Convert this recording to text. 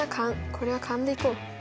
これは勘でいこう。